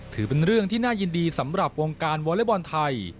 ถือเป็นเรื่องที่น่ายินดีสำหรับวงการวอเล็กบอลไทย